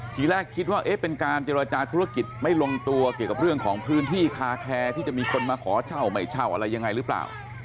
ทีแรกคิดว่าเป็นการเจรจาธุรกิจไม่ลงตัวเกี่ยวกับเรื่องของพื้นที่คาแคร์ที่จะมีคนมาขอเช่าไม่เช่าอะไรยังไงหรือเปล่า